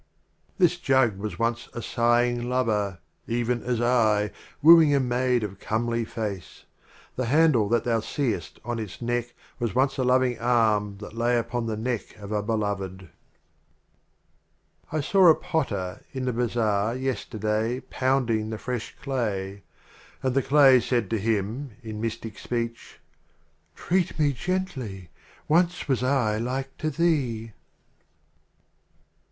61 xxxvi. Omar This Jug was once a Sighing Lover, even as I, Wooing a Maid of comely face. The Handle that thou seest on its Neck Was once a Loving Arm that lay upon the Neck of a Beloved. XXXVII. I saw a Potter in the Bazaar, yes terday, Pounding the fresh Clay ; And the Clay said to him in mystic Speech, "Treat me gently — once was I like to thee